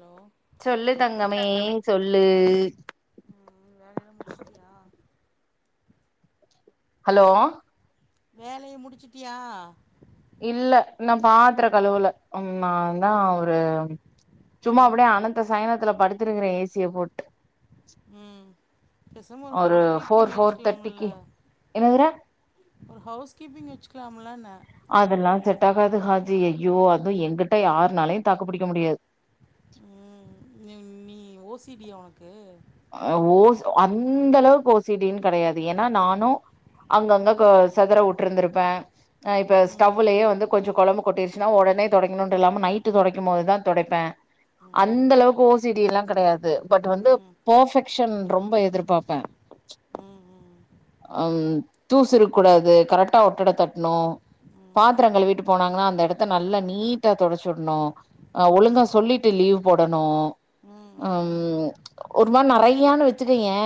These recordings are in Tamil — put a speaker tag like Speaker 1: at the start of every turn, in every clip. Speaker 1: ஹலோ
Speaker 2: சொல்லு தங்கமே சொல்லு
Speaker 1: ம்ம் வேலயெல்லா முடிச்ட்டியா
Speaker 2: ஹலோ
Speaker 1: வேலையே முடிச்சிட்டியா
Speaker 2: இல்ல இன்னு பாத்ற கழுவுல அன் நான் தா அவ்ரு சும்மா
Speaker 1: ம்
Speaker 2: அப்டே அனந்த சய்னத்துல படுத்துருக்கிறே ஏசிய போட்
Speaker 1: ம் பேசாம ஒரு ஹவ்ஸ் கீப்பிங்
Speaker 2: ஃபோர் ஃபோர் தேர்ட்டிக்கு
Speaker 1: வெச்க்கலாம்முல்லே
Speaker 2: என்னதுடா
Speaker 1: ஒரு ஹவ்ஸ் கீப்பிங் வெச்சுக்லாம்முலான
Speaker 2: அதெல்லா செட் ஆகாது ஹாஜி ஐயோ அது எங்கிட்ட யார்னாலையு தாக்கு புடிக்க முடியாத்
Speaker 1: ம் ந்யும் நி ஓசிடியா உனக்கு
Speaker 2: அ ஓஸ் அந்தளவ்க் ஓசிடின் கடையாது ஏன்னா நானு அங்கங்க கொ செதர வுட்ருந்திருப்பே ஆ இப்ப
Speaker 1: ம்
Speaker 2: ஸ்டவ்வுலயே வந்து கொஞ்ச கொழம்பு கொட்டிர்ச்சுன்னா ஒடனே தொடைக்கணுன்டு இல்லாம நைட்டு தொடைக்கும்போது‌தா தொடைப்பே
Speaker 1: ம்
Speaker 2: அந்தளவுக்கு ஓசிடில்லா கெடையாது பட் வந்து
Speaker 1: ம்
Speaker 2: பெர்ஃபெக்சன் ரொம்ப எதிர்பாப்பே ம்ச்
Speaker 1: ம் ம்
Speaker 2: அம் தூசு இருக் கூடாது கரெக்டா ஒட்டட தட்ணு
Speaker 1: ம்
Speaker 2: பாத்திரங் கழிவீட்டு போனாங்கன்னா அந்த எடத்த நல்லா நீட்டா தொடச்சிட்ணு ஆ
Speaker 1: ம்
Speaker 2: ஒழுங்க சொல்லிட்டு லீவ் போடணு
Speaker 1: ம் ம் ம்
Speaker 2: ஒரு மாரி நெறையான்னு வெச்சுகயே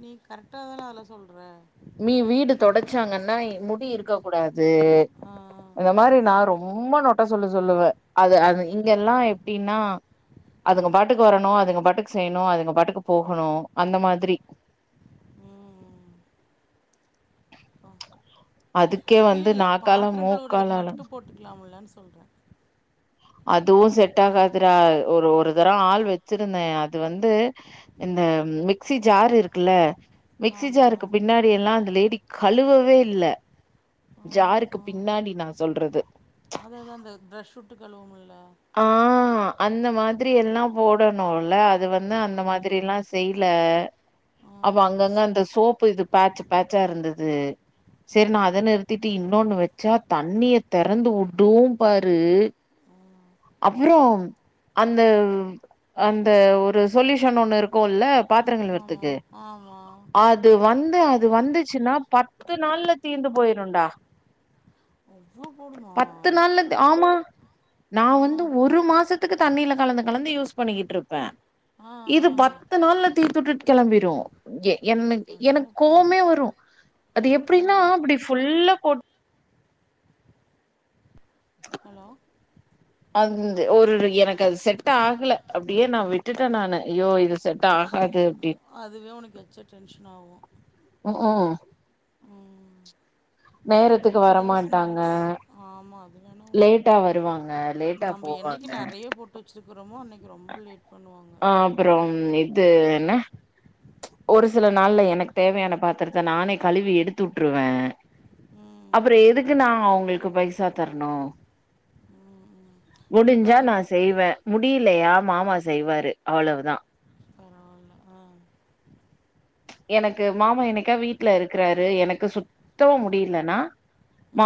Speaker 1: நீ கரெக்டா தானே அதுல்ல சொல்ற
Speaker 2: வீ வீடு தொடச்சாங்கன்னா இ முடி இருக்க கூடாது
Speaker 1: ஆ
Speaker 2: இந்த மாரி நா ரொம் ரொம்ப நொட்டா சொல்லு சொல்லுவே அது அது இங்கெல்லா எப்டின்னா
Speaker 1: ஆ
Speaker 2: அதுங்க பாட்டுக் வரணு அதுங்க பாட்டுக்கு செய்யணு அதுங்க பாட்டுக்கு போகணு அந்த மாதிரி
Speaker 1: ம்
Speaker 2: அதுக்கே வந்து
Speaker 1: இல்லல்ல
Speaker 2: நாக்கால
Speaker 1: பாத்திரங் கழுவுறதுக்கு
Speaker 2: மூக்காலால
Speaker 1: மட்டு போட்டுக்கலாம்லன்னு சொல்றே
Speaker 2: அதுவு செட் ஆகாதுரா ஒரு ஒரு தடவ ஆள் வெச்சிருந்தே அது வந்து இந்த மிக்சி ஜார் இருக்குல்ல மிக்சி
Speaker 1: ஆமா
Speaker 2: ஜாருக்கு பின்னாடி எல்லா அந்த லேடி கழுவவே இல்ல
Speaker 1: ஆ
Speaker 2: ஜாருக்கு பின்னாடி நா சொல்றது
Speaker 1: அதா அதா இந்த பிரஷ் வுட்டு கழுவுவோம்ல்லா
Speaker 2: ஆ அந்த மாதிரி எல்லா போடணுல அது வந்து அந்த மாதிரி
Speaker 1: ஆமாம்
Speaker 2: எல்லாஸ் செய்ட்ல
Speaker 1: ஆ
Speaker 2: அப்ப அங்கங்க அந்த சோப்பு இது பேச்சு பேச்சா இருந்தது
Speaker 1: ஆ
Speaker 2: செரி நா அத நிறுத்திட்டு இன்னொன்னு வச்சா தண்ணிய திறந்து வுடு பாரு
Speaker 1: ஆ
Speaker 2: அப்றோ அந்த அந்த ஒரு சொல்யூஷன் ஒண்ணு இருக்குல்ல பாத்ரோ கழுவுறத்துக்கு
Speaker 1: ஆமாம் ஆமாம்
Speaker 2: ஆத் அது வந்து அது வந்துச்சுன்னா பத்து நாள்ல தீந்து போயிருன்டா
Speaker 1: அவ்வளோ போடுமா
Speaker 2: பத்து நாள்ல த் ஆமா நா
Speaker 1: ஆ
Speaker 2: வந்து ஒரு மாசத்துக்கு தண்ணீல கலந்து கலந்து யூஸ் பண்ணிக்கிட்ருப்பே
Speaker 1: ஆ ஆ
Speaker 2: இது பத்து நாள்ல தீத்துட்டுட் கெளம்பிரு எ எனக் எனக்கு
Speaker 1: அடேயப்பா
Speaker 2: கோவமே வரு அது
Speaker 1: ஆ
Speaker 2: எப்டின்னா
Speaker 1: ஆ.
Speaker 2: அப்டி ஃபுல்லா கொட்
Speaker 1: ஹலோ
Speaker 2: அந்து ஓரிரு எனக்கு அது செட் ஆகல அப்டியே நா விட்டுட்டே நானு அய்யோ இது செட் டாகாது அப்டின்
Speaker 1: அதுவே உனக்கு எச்சா டென்ஷன் ஆவு
Speaker 2: ம்ம்
Speaker 1: ம்
Speaker 2: நேரத்துக்கு
Speaker 1: குட்டிக்கு ஏதாவ்
Speaker 2: வரமாட்டாங்க
Speaker 1: ஸ்நாக்ஸ் ஆமா அது வேணா ஒண்ணு
Speaker 2: லேட்டா வருவாங்க லேட்டா
Speaker 1: நம்ப என்னைக்கு
Speaker 2: போவாங்க
Speaker 1: நெறைய போட் டு வச்சிருக்கிறோமோ அன்னைக்கு ரொம்ப லேட் பண்ணுவாங்க
Speaker 2: ஆ அப்புறோ இது என்ன ம்ச் ஒரு சில நாள்ல எனக்கு தேவையான பாத்திரத்த நானே கழுவி எடுத்துட்ருவே அப்புறோ
Speaker 1: ம்
Speaker 2: எதுக்கு நா அவுங்களுக்கு பைசா தரணு
Speaker 1: ம் ம் ம்ச்
Speaker 2: முடிஞ்சா நா செய்வே முடியிலையா மாமா செய்வாரு அவ்வளவுதா
Speaker 1: பரவால்ல ஆ
Speaker 2: எனக்கு மாமா என்னைக்கா வீட்ல இருக்குறாரு எனக்கு சுத்தமா முடியிலனா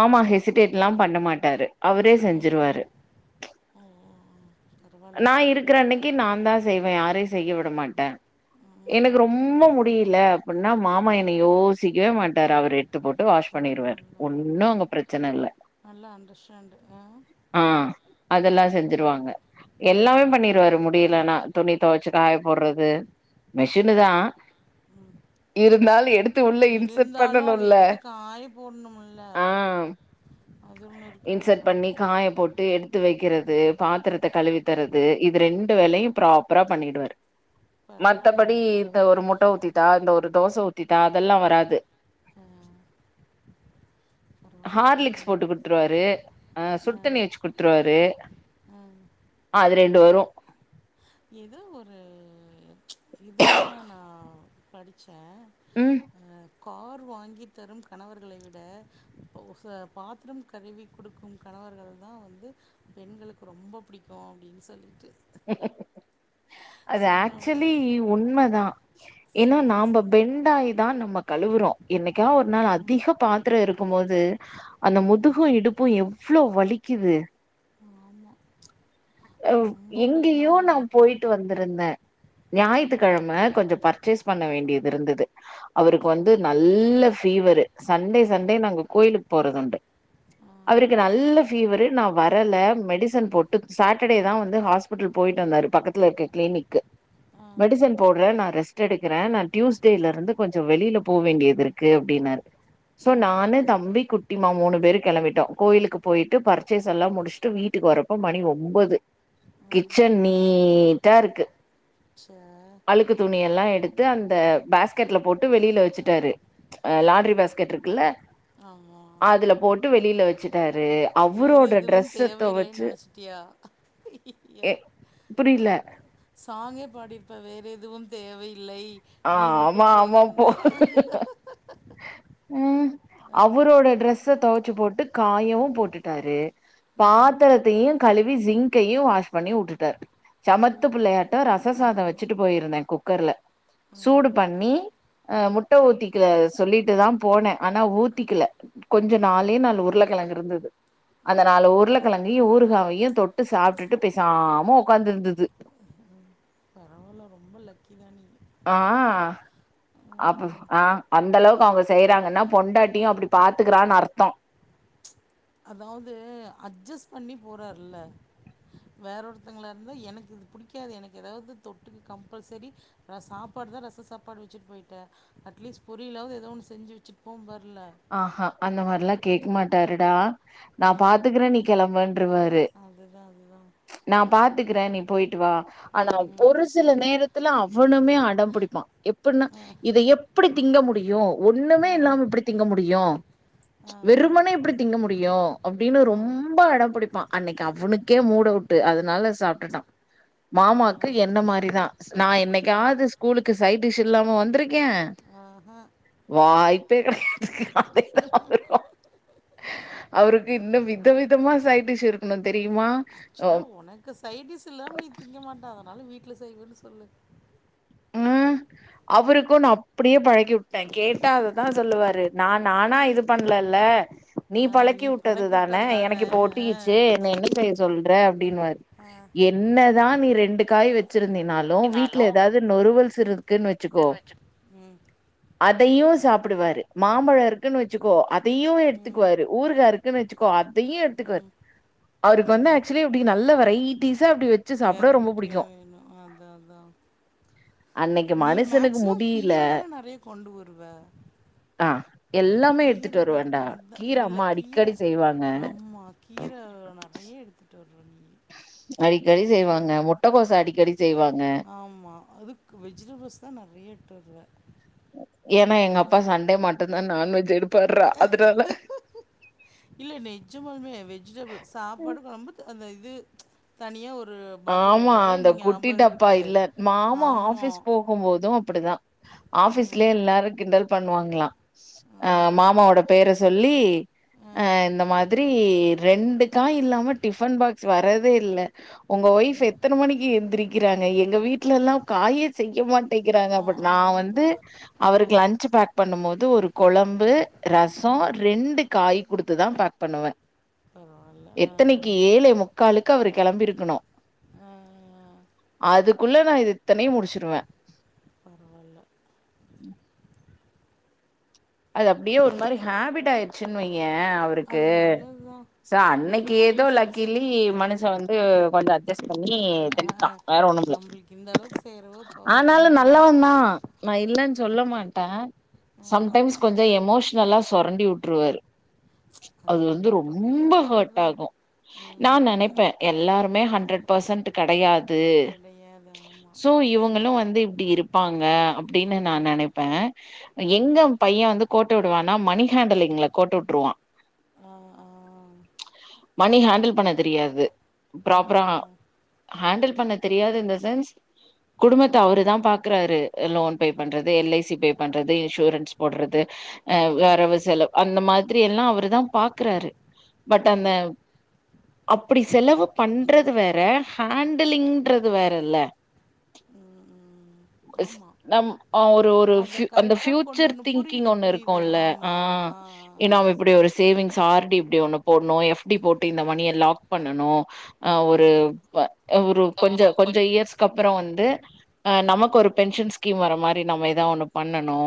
Speaker 1: ம்
Speaker 2: ஹெசிடேட்லா பண்ண மாட்டாரு அவரே
Speaker 1: ம்
Speaker 2: செஞ்சுருவாரு
Speaker 1: ஓ ஓ ஓ
Speaker 2: ம்ச்
Speaker 1: பரவாயில்ல
Speaker 2: நா இருக் குற அன்னைக்கு நா தா செய்வே யாரையு செய்ய விட மாட்டே எனக்கு
Speaker 1: ம்
Speaker 2: ரொம்ப முட் முடில அப்டின்னா மாமா என்ன யோசிக்கவே மாட்டாரு அவரு எத்து போட்டு வாஷ் பண்ணிருவாரு
Speaker 1: பரவாயில்ல
Speaker 2: ஒன்னு
Speaker 1: பரவாயில்ல
Speaker 2: அங்க பிரச்சன இல்ல
Speaker 1: நல்ல அண்டர்ஸ்டாண்டு ஆ
Speaker 2: ஆ அதெல்லா செஞ்சுருவாங்க எல்லாமே
Speaker 1: ம்
Speaker 2: பண்ணிருவாரு முடியலனா துணி தொவச்சு காய போடுறது மிஷினு தா இருந்தாலு எடுத்
Speaker 1: இருந்தாலு அத எடுத்து காய போட்ணுமுல்ல
Speaker 2: ஆ
Speaker 1: அது ஒண்ணு இருக்குதுல்ல
Speaker 2: இன்சர்ட் பண்ணி காய போட்டு எடுத்து வைக்கிறது பாத்திரத்த கழுவி தரது இது ரெண்டு வேலையு ப்ராப்பரா பண்ணிடுவாரு
Speaker 1: பரவாயில்ல
Speaker 2: மத்தபடி
Speaker 1: அது
Speaker 2: இந்த ஒரு முட்ட ஊத்தித்தா இந்த ஒரு தோச ஊத் தித்தா அதெல்லா வராது
Speaker 1: ஆ பரவாயில்ல
Speaker 2: ஹார்லிக்ஸ்
Speaker 1: பரவாயில்ல
Speaker 2: போட்டு குடுத்துருவாரு அ சுடுத்தண்ணி வச்சு குடுத்துருவாரு
Speaker 1: அ
Speaker 2: அது ரெண்டு வரு
Speaker 1: ஏதோ ஒரு இதுல தா நா படிச்ச
Speaker 2: ம்
Speaker 1: ஆ கார் வாங்கி தரும் கணவர்களை விட ப ஹ பாத்தரம் கழுவி குடுக்கு கணவர்கள் தா வந்து பெண்களுக்கு ரொம்ப பிடிக்கு அப்டின்னு சொல்லிட்டு
Speaker 2: அது
Speaker 1: சொன்ன
Speaker 2: ஆக்சுவலி
Speaker 1: உடனே
Speaker 2: உண்மதா ஏனா
Speaker 1: சீரியஸா
Speaker 2: நாம்ப பெண்டாயி தா நம்ப கழுவுறோ என்னைக்கா ஒரு நாள்
Speaker 1: ஆமா
Speaker 2: அதிக பாத்திரோ இருக்கும் போது அந்த
Speaker 1: ம்
Speaker 2: முதுகு இடுப் பு எவ்ளோ வலிக்குது
Speaker 1: ஆமா
Speaker 2: அ
Speaker 1: ரொம்ப பெயின்
Speaker 2: எங்கேயோ
Speaker 1: ஆகும்
Speaker 2: நா
Speaker 1: எனக்குலாம்
Speaker 2: போயிட்டு வந் திருந்த
Speaker 1: ஆ
Speaker 2: ஞாயித்துக்கெழம கொஞ்சோ பர்ச்சேஸ் பண்ண வேண்டியது இருந்துது அவருக்கு
Speaker 1: ஆ
Speaker 2: வந்து நல்ல ஃபீவரு சண்டே
Speaker 1: ஆ
Speaker 2: சண்டே நாங்க கோயிலுக்கு போறதுண்டு அவருக்கு நல்ல ஃபீவரு நா வரல மெடிசன் போட்டு சாட்டர்டே தா வந்து ஹாஸ்பிட்டல் போயிட்டு வந்தாரு பக்கத்துல இருக்க கிளினிக்கு
Speaker 1: ஆ ஆ
Speaker 2: மெடிசன் போடுற நா ரெஸ்ட் எடுக்குற நா டியூஸ்ட்டேலருந்து கொஞ்சோ வெளியில போ வேண்டியது இருக்கு அப்டின்னாரு சோ
Speaker 1: ஆ
Speaker 2: நானு தம்பி குட் டிம்மா மூணு பேரு கெளம்பிட்டோ கோயிலுக்கு போயிட்டு பர்ச்சேஸ் எல்லாம் முடிச்சுட்டு வீட்டுக்கு வரப்ப மணி ஒம்போது
Speaker 1: ஆ
Speaker 2: கிச்சன் நீட்டா இருக்கு
Speaker 1: ச்ச
Speaker 2: அழுக்கு துணியெல்லா எடுத்து அந்த பேஸ்க்கெட்ல போட்டு வெளியில வச்சுட்டாரு அ
Speaker 1: ஆ
Speaker 2: லாண்ட்ரி பேஸ்க்கெட் இருக்குல்ல
Speaker 1: ஆமா
Speaker 2: அதுல போட்டு வெளியில வச்சுட்டாரு
Speaker 1: வேற
Speaker 2: அவுரோட
Speaker 1: எதுவும்
Speaker 2: ட்ரெஸ்ஸ
Speaker 1: தேவையில்லைன்னு
Speaker 2: தொவச்சு
Speaker 1: [unintelligible]
Speaker 2: எ புரியல
Speaker 1: சாங்கே பாடிருப்ப வேறெதுவும் தேவையில்லை
Speaker 2: ஆ
Speaker 1: நீ
Speaker 2: ஆமா
Speaker 1: மட்டும்
Speaker 2: ஆமா போ
Speaker 1: போதும்னு
Speaker 2: ம்
Speaker 1: ஆ,
Speaker 2: அவரோட ட்ரெஸ்ஸ தொவச்சு போட்டு காயவு போட்டுட்டாரு
Speaker 1: ம்
Speaker 2: பாத்தரத்தையு கழுவி ஸிங்க்கையு வாஷ் பண்ணி உட்டுடாரு சமத்து
Speaker 1: சூப்பர்
Speaker 2: புள்ளையாட்டோ ரச சாதோ
Speaker 1: ஆமாம்
Speaker 2: வச்சுட்டு போயிருந்த குக்கர்ல
Speaker 1: ம்
Speaker 2: சூடு பண்ணி அ முட்ட ஊத்திக்கள அத சொல்லிட்டு தா போனே ஆனா ஊத்திக்கல கொஞ்சோ
Speaker 1: ம்
Speaker 2: நாலே நாலு உருளக்கெழங்கு இருந்தது அந்த நாலு உருளகெழங்கையு ஊறுகாவையு தொட்டு சாப்டுட்டு பெசாம ஒக்காந்து இருந்தது
Speaker 1: பரவால்ல ரொம்ப லக்கி தா நீ
Speaker 2: ஆ அப்ப ஆ அந்தளவுக்கு அவுங்க செய்றாங்கனா பொண்டாட்டியு அப்டி பாத்துக்கிறானு அர்த்தோ
Speaker 1: அதாவுது அட்ஜஸ்ட் பண்ணி போறார்ல வேற ஒருத்தங்களா இருந்தா எனக்கு இது புடிக்காது எனக்கு எதாவது தொட்டுக்க கம்பல்சரி நா சாப்பாடு தா ரச சாப்பாடு வச்சுட்டு போயிட்ட அட்லீஸ்ட் பொரியலாவது ஏதோ ஒன்னு செஞ்சு வச்சுட்டு போ வர்ல
Speaker 2: ஆஹா அந்த மாரிலா கேக்க மாட்டாருடா நா
Speaker 1: ஆ
Speaker 2: பாத்துக்கிறே நீ கெளம்புன்றுவாரு
Speaker 1: அதுதா அதுதா
Speaker 2: நா பாத்துக்கிறே நீ போயிட்டு வா ஆனா
Speaker 1: ம்
Speaker 2: ஒரு சில நேரத்துல அவனுமே அடோ பிடிப்பா எப்போனா
Speaker 1: ஆ
Speaker 2: இத எப்டி திங்க முடியு ஒண்ணுமே
Speaker 1: ஆ
Speaker 2: இல்லாம இப்டி திங்க முடியு
Speaker 1: ஆ
Speaker 2: வெறுமனே எப்டி திங்க முடியு அப்டினு
Speaker 1: ஆ
Speaker 2: ரொம்ப அடம் பிடிப்பா அன்னைக்கி அவனுக்கே மூடவுட்டு அதுனால சாப்டுட்டா
Speaker 1: ஆ ஆ
Speaker 2: மாமாக்கு
Speaker 1: ஆ
Speaker 2: என்ன மாரிதா ஸ் நா
Speaker 1: ம்
Speaker 2: என்னைக்காது ஸ்கூலுக்கு சைட்டிஷ் இல்லாம வந்துருக்கே
Speaker 1: ஆஹ
Speaker 2: வாய்ப்பே கெடை [inaudible] த்து அவருக்கு இன்னு வித விதமா சைடிஸ் இருக்கணு தெரியுமா அ
Speaker 1: ஆக்சுவலா உனக்கு சைடிஸ் இல்லாம நீ திங்க மாட்ட அதனால வீட்ல செய்வேனு சொல்லு
Speaker 2: ம் அவருக்கு நா அப்டியே பழக்கி உட்டே கேட்ட அததா சொல்லுவாரு நா நானா இது பண்ணலல்ல நீ பழக்கி உட்டது தான எனக்கு இப்ப ஒட்டிகிச்சு என்ன என்ன செய்ய சொல்ற அப்டினுவாரு
Speaker 1: அ
Speaker 2: என்னதா நீ ரெண்டு காய் வச்சிருந்தீனாலு வீட்ல
Speaker 1: என்னாலும்
Speaker 2: ஏதாவுது து நொறுவோல்ஸ் இருக்குன் வச்சுக்கோ அதையு சாப்பிடுவாரு மாம்பழோ இருக்குனு வச்சுக்கோ அதையு
Speaker 1: ம்
Speaker 2: எடுத்துக்குவாரு ஊறுகா இரு க்குனு வச்சுக்கோ அதையு எடுத்துக்குவாரு
Speaker 1: ம்
Speaker 2: அவருக்கு வந்து
Speaker 1: ம்
Speaker 2: ஆக்சுவலி இப்டி நல்ல வெரைட்டீஸ்ஸா அப்டி வச்சு சாப்ட ரொம்ப புடிக்கு
Speaker 1: என்ன ஆந் அதா அதா
Speaker 2: அன்னைக்கு
Speaker 1: நீ
Speaker 2: மனுஷனுக்கு
Speaker 1: மேக்சிமம்
Speaker 2: முடியில
Speaker 1: கீர தான நறைய கொண்டு வருவ
Speaker 2: அ எல்லாமே
Speaker 1: கீர
Speaker 2: எடுத்துட்டு
Speaker 1: தா
Speaker 2: வருவேண்டா
Speaker 1: அதா
Speaker 2: கீர
Speaker 1: இல்ல
Speaker 2: அம்மா
Speaker 1: கீர
Speaker 2: அடிக்கடி செய்வாங்க
Speaker 1: ஆமா கீர நறைய எடுத்துட்டு வருவ நீ
Speaker 2: அடிக்கடி
Speaker 1: கீ
Speaker 2: செய்வாங்க முட்டக்கோஸ் அடிக்கடி செய்வாங்க
Speaker 1: ஆமா அதுக் கு வெஜிடபுள்ஸ் தா நறைய எடுத்துட்டு வருவ
Speaker 2: ஏனா எங்க அப்பா சன்டே மட்டுதா நான்வெஜ் எடுப்பார்றா அதுனால
Speaker 1: இல்ல நெஜமாலுமே வெஜிடபிள் சாப்பாடு கொழம்பு த அந்த இது தனியா ஒரு பாக்ஸ்சு ட்ரே
Speaker 2: ஆமா
Speaker 1: நல்லா
Speaker 2: அந்த
Speaker 1: இன்னு
Speaker 2: குட்டி
Speaker 1: ஞாபகருக்கு ஆமா
Speaker 2: போம் போது அப்டிதா
Speaker 1: ம்
Speaker 2: ஆஃபிஸ்லயே எல்லாரு கிண்டல் பண்ணுவாங்களா அ
Speaker 1: ம்
Speaker 2: மாமாவோட பேர சொல்லி அ
Speaker 1: ம்
Speaker 2: இந்த மாரி ரெண்டுக்காய் இல்லாம டிஃபன் பாக்ஸ் வர்தே இல்ல உங்க ஒய்ஃப்
Speaker 1: ம்
Speaker 2: எத்தன மணிக்கி எந்திரிக்கிறாங்க எங்க வீட்லல்லா காயே செய்ய மாட் டிக்கிறாங்க
Speaker 1: ஆ
Speaker 2: அப்பட் நா வந்து
Speaker 1: ஆமா
Speaker 2: அவருக்கு லன்சு பேக் பண்ணும் மோது ஒரு கொழம்பு
Speaker 1: ஆ
Speaker 2: ரசோ ரெண்டு காய் குடுத்துதா பேக் பண்ணுவ
Speaker 1: பரவாயில்ல ஆ
Speaker 2: எத்தனைக்கி
Speaker 1: ஆ
Speaker 2: ஏழே முக்காலுக்கு அவரு கிளம்பிருக்கணு
Speaker 1: ஆ ஆ ஆ
Speaker 2: அதுக்குள்ள நா இது இத்தனையு முடிச்சிருவ
Speaker 1: பரவால்ல
Speaker 2: அது அப்டியே ஒரு மாரி ஹாபிட் ஆயிருச்சுன்வையே
Speaker 1: அது நல்லதுதா
Speaker 2: சோ அன்னைக்கு ஏதோ லக்கீலி மனுஷ வந்து கொஞ்சோ அட்ஜஸ்ட் பண்ணி
Speaker 1: பரவாயில்ல ஆ ஆ
Speaker 2: தின்டா வேற ஒண்ணும்ல
Speaker 1: நம்மளுக்கு இந்த அளவுக்கு செய்கிறவோ பாவம்
Speaker 2: ஆனாலு
Speaker 1: இன்னைக்கு ஒன்று
Speaker 2: நல்லவந்தா நா இல்லன்னு சொல்ல மாட்ட சம்டைம்ஸ் கொஞ்சோ எமோஷ்னலா சொரண்டி உட்ருவாரு அது வந்து
Speaker 1: எல்லா பக்கம்
Speaker 2: ரொம்போ
Speaker 1: இருக்கிறது
Speaker 2: ஹட்
Speaker 1: தான்
Speaker 2: ஆகு
Speaker 1: ம்
Speaker 2: நா
Speaker 1: ம்
Speaker 2: நெனைப்ப எல்லாருமே ஹண்ரட் பர்சன்ட் கெடயாது
Speaker 1: கிடையாது ஆமாம்
Speaker 2: ஸோ இவங்களூ வந்து இப்டி இருப்பாங்க அப்டின்னு நா
Speaker 1: ம்
Speaker 2: நெனைப் ப்ப
Speaker 1: ம்
Speaker 2: எங்க பைய வந்து கோட்ட விடுவானா மணி ஹேண்டிலிங்ல கோட்ட உட்ருவா
Speaker 1: ஆ ஆ
Speaker 2: மணி ஹேண்டில் பண்ண தெரியாது
Speaker 1: ஆ
Speaker 2: ப்ராப்பரா
Speaker 1: ஆ
Speaker 2: ஹேண்டில் பண்ண தெரியாது இந்த சென்ஸ் குடும்பத்த அவரு தா பாக்கறாரு லோன் பே பண்றது எல் ஐ சி பே பண்றது இன்சூரன்ஸ் போட்றது அ வரவு செலவு அந்த மாதிரி எல்லா அவருதா பாக்குறாரு பட்
Speaker 1: ம்
Speaker 2: அந்த அப்பிடி செலவு பண்றது வேற ஹேண்டிலிங்ன்றது வேற இல்ல
Speaker 1: ம் ம்
Speaker 2: ச்
Speaker 1: ஆமாம்
Speaker 2: நம் ஒரு ஒரு
Speaker 1: அதை
Speaker 2: ஃப்யூ அந்த
Speaker 1: கரெக்டாக கொண்டு
Speaker 2: ஃபியூச்சர்
Speaker 1: வரணும்
Speaker 2: திங்கிங்
Speaker 1: புரியுது
Speaker 2: ஒண்ணு
Speaker 1: புரியுது
Speaker 2: இருக்கூல்ல ஆ
Speaker 1: ஆமாம்
Speaker 2: ஏன்னா
Speaker 1: ஆமாம்
Speaker 2: அவ இப் ப்டி ஒரு சேவிங்ஸ் ஆர்டி இப்டி ஒண்ணு போட்ணு எஃப்டி போட்டு இந்த மணிய லாக் பண்ணனு ஆ ஒரு இப்ப ஒரு
Speaker 1: ஆ
Speaker 2: கொஞ்சு
Speaker 1: கொ-
Speaker 2: கொஞ்சு இயர்ஸ்க்கப்புறோ வந்து ஆ நமக்கு ஒரு பென்ஷன் ஸ்கீம் வர மாரி நம்ம ஏதோ ஒண்ணு பண்ணனு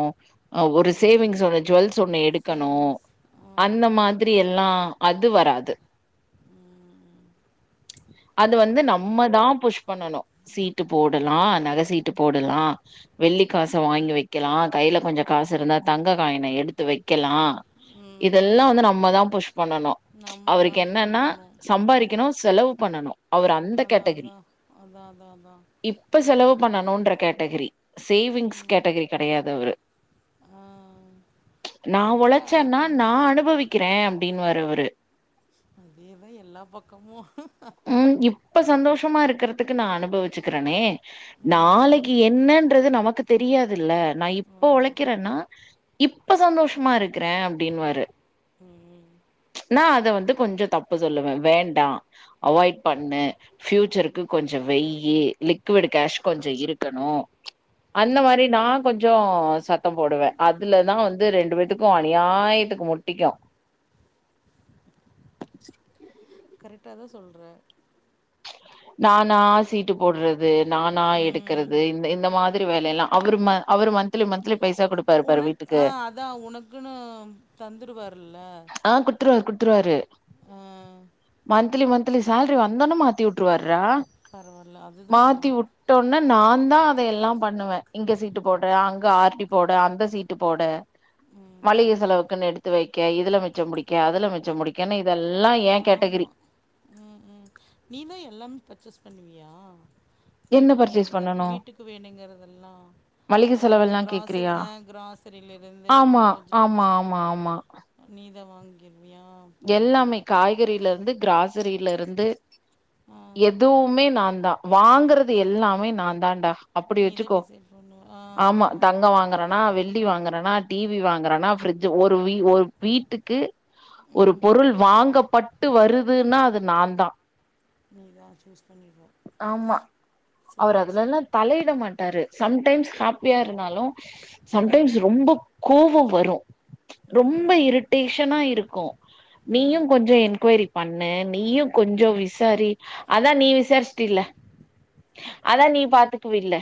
Speaker 2: ஒரு
Speaker 1: ம்
Speaker 2: சேவிங்ஸ் ஒன்னு ஜுவல்ஸ் ஒண்ணு எடுக்கண
Speaker 1: சேவிங்ஸ்
Speaker 2: அந்த
Speaker 1: ம்,
Speaker 2: மாதிரியெல்லா அது வராது
Speaker 1: ஆ
Speaker 2: அது வந்து நம்மதா புஷ் பண்ணணு சீட்டு போடலா நக சீட்டு போடலா வெள்ளி காச வாங்கி வெக்கலா கையில கொஞ்சோ காசு இருந்தா தங்க காயின எடுத்து வெக்கலா
Speaker 1: ம்,
Speaker 2: இதெல்லா
Speaker 1: ம்.
Speaker 2: வந்து நம்மதா புஷ் பண்ணணு.
Speaker 1: நம்ம
Speaker 2: அவருக்கு
Speaker 1: தான்
Speaker 2: என்னன்னா
Speaker 1: சொல்லணும் ம்
Speaker 2: சம்பாரிக்கணு செலவு பண்ணணு அவரு அந்த கேட்டகிரி
Speaker 1: அதா அதா அதா
Speaker 2: இப்ப செலவு பண்ணணூன்ற கேட்டகிரி சேவிங்ஸ்
Speaker 1: ம்
Speaker 2: கேட்டகரி கெடயாது அவரு நா
Speaker 1: கரெக்டாக அதுக்கு
Speaker 2: ஒழைச்சேன்னா
Speaker 1: தான்
Speaker 2: நா அனுபவிக்கிற அப்டீன்னுவாரு அவரு
Speaker 1: அதேதா எல்லா பக்கமு
Speaker 2: ம் இப்ப சந்தோஷமா இருக்கறதுக்கு நா அனுபவிச்சுக்கிறனே
Speaker 1: ம்
Speaker 2: நாளைக்கு என் ன்னன்றது நமக்கு தெரியாதுல்ல நா இப்ப
Speaker 1: ஆமாம்
Speaker 2: ஒழைக்கிறேன்னா இப்ப சந்தோஷமா இருக்கற அப்டீன்வாரு
Speaker 1: ம் ம்
Speaker 2: ம்ச் நா அத வந்து கொஞ்சோ தப்பு சொல்லுவ வேண்டா அவாய்ட் பண்ணு ஃபியூச்சருக்கு கொஞ்சோ வைய்யி லிக்விட் கேஷ் கொஞ்சோ இருக்கணு அந்த மாரி நா கொஞ்சோ அ சத்தம் போடுவ அதுலதா வந்து ரெண்டு பேத்துக்கும் அநியாயத்துக்கு முட்டிக்கும்
Speaker 1: கரெக்டாதா சொல்ற
Speaker 2: நானா சீட்டு போடுறது நானா எடுக்
Speaker 1: ம்
Speaker 2: குறது இந்த இந்த மாதிரி வேலையெல்லா அவரு அவரு மந்த்லி மந்த்லி பைசா குடுப்பாரு பாரு
Speaker 1: உனக்
Speaker 2: வீட்டுக்கு
Speaker 1: ஆ அதான் உனக்குன்னு தந்துருவாருல
Speaker 2: ஆ குடுத்துருவாரு குடுத்துருவாரு
Speaker 1: ஆ
Speaker 2: மந்திலி மந்த்லி சேலரி வந்தோன மாத்தி வுட்டுருவாரா
Speaker 1: பரவாயில்ல அதுதான்
Speaker 2: மாத்தி
Speaker 1: வேணும்
Speaker 2: வுட் டோன்ன நா தா அத எல்லா பண்ணுவே இங்க சீட்டு போட அங்க ஆர் டி போட அந்த சீட்டு போட
Speaker 1: ம்
Speaker 2: மளிகை
Speaker 1: ம்
Speaker 2: செலவுக்குன்னு எடுத்து வைக்க இதுல மிச்சோ புடிக்க அதுல மிச்சோ புடிக்கன்னு இதெல்லா ஏன் கேட்டகிரி
Speaker 1: ஆமா ம் ம் நீதா எல்லாமே பர்ச்சேஸ் பண்ணுவியா
Speaker 2: என்ன
Speaker 1: வீட்டுக்கு
Speaker 2: பர்ச்சேஸ்
Speaker 1: வேணுங்கறது
Speaker 2: பண்ணனு
Speaker 1: வீட்டுக்கு வேணுங்குறதெல்லா
Speaker 2: மளிகை
Speaker 1: அதாவது
Speaker 2: செலவெல்லா
Speaker 1: கிராசரி
Speaker 2: கேக்குறியா
Speaker 1: ஆ கிராசரியில இருந்து வெஜ்
Speaker 2: ஆமா ஆமா
Speaker 1: வெஜிடபிள்ஸ்ல
Speaker 2: ஆமா
Speaker 1: இருந்து
Speaker 2: ஆமா
Speaker 1: நீதா வாங்குவியா
Speaker 2: எல்லாமே காய்கறில இருந்து கிராசரியில இருந்து
Speaker 1: ஆ
Speaker 2: எதுவுமே நா தா வாங்குறது எல்லாமே நா தான்டா அப்புடி
Speaker 1: நீதா
Speaker 2: வச்சுக்கோ
Speaker 1: டிசைட் பண்ணுவ ஆ ஆ
Speaker 2: ஆமா தங்கோ வாங்குறனா வெள்ளி வாங்குற னா டிவி வாங்குறானா பிரிட்ஜ் ஒரு வீ ஒரு வீட்டுக்கு ஒரு
Speaker 1: ம்
Speaker 2: பொருள் வாங்கப்பட்டு வருதுன்னா அது நா தான்
Speaker 1: நீதா சூஸ் பண்ணிக்கோ
Speaker 2: ஆமா அவர் அதுலல்லா தலையிட மாட்டாரு சம் டைம்ஸ் ஹாப்பியா இருந்தாலு சம்
Speaker 1: ம்
Speaker 2: டைம்ஸ் ரொம்ப கோவம் வரு ரொம்போ
Speaker 1: ம்
Speaker 2: இரிட்டேஷனா இருக்கு நீயு
Speaker 1: ம்
Speaker 2: கொஞ்சோ என்கொயரி பண்ணு நீயு கொஞ்சோ விசாரி அதான் நீ விசாரிச்சுட்டில்ல அதா நீ பாத்துக்குவில